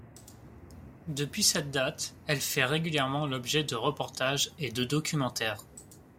Depuis cette date, elle fait régulièrement l'objet de reportages et de documentaires.